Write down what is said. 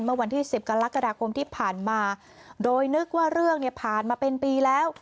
เมื่อวันที่สิบกรกฎาคมที่ผ่านมาโดยนึกว่าเรื่องเนี่ยผ่านมาเป็นปีแล้ว